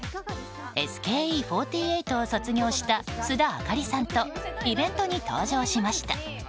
ＳＫＥ４８を卒業した須田亜香里さんとイベントに登場しました。